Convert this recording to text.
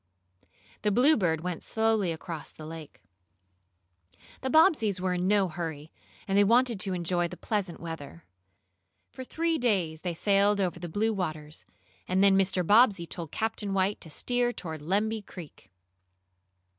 The Bluebird went slowly across the lake. The Bobbseys were in no hurry, and they wanted to enjoy the pleasant weather. For three days they sailed over the blue waters, and then Mr. Bobbsey told Captain White to steer toward Lemby Creek.